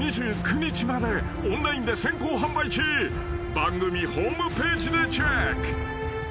［番組ホームページでチェック］